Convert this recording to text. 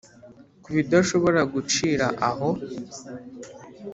ko bidashobora gucira aho.